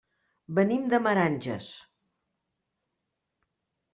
Venim de Meranges.